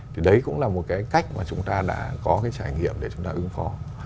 thì đấy cũng là một cái cách mà chúng ta đã có cái trải nghiệm để chúng ta ứng phó